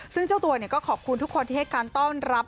ซึ่งเจ้าตัวก็ขอบคุณทุกคนที่ให้การต้อนรับ